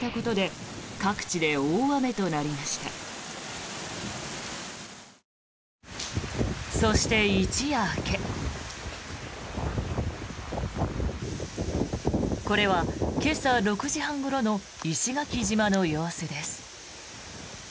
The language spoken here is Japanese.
これは、今朝６時半ごろの石垣島の様子です。